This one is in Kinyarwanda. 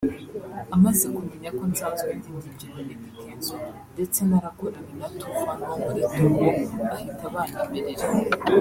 amaze kumenya ko nsanzwe ndi Dj wa Eddy Kenzo ndetse narakoranye na Toofan bo muri Togo bahita banyemerera